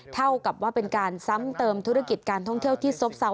เท่ากับว่าเป็นการซ้ำเติมธุรกิจการท่องเที่ยวที่ซบเซา